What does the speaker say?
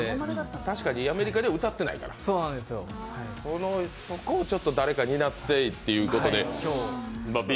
確かにアメリカでは歌ってないからそこをちょっと誰か担ってということでＢ